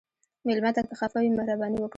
مېلمه ته که خفه وي، مهرباني وکړه.